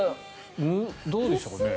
どうでしょうね。